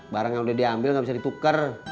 barang yang udah diambil gak bisa dituker